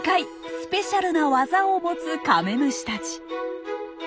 スペシャルな技を持つカメムシたち。